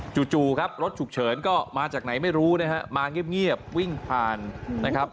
จู่ครับรถฉุกเฉินก็มาจากไหนไม่รู้นะฮะมาเงียบวิ่งผ่านนะครับ